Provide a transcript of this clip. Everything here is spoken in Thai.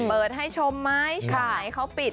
เปิดให้ชมไหมช่องไหนเขาปิด